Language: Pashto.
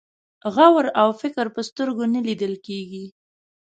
غور او فکر په سترګو نه لیدل کېږي.